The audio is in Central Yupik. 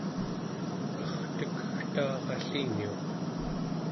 ertekegtaaralliniuq